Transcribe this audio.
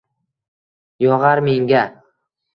Yog’ar menga